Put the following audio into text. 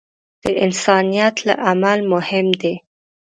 د انسان نیت له عمل مهم دی.